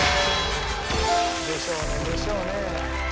でしょうねでしょうね。